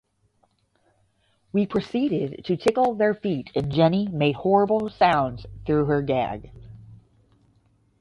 We proceeded to tickle their feet and Jenny made horrible sounds through her gag.